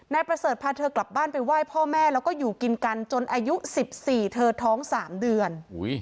นายประเสริฐพาเธอกลับบ้านไปไหว้พ่อแม่แล้วก็อยู่กินกันจนอายุ๑๔เธอท้อง๓เดือน